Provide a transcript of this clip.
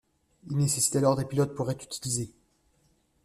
Il nécessite alors des pilotes pour être utilisé.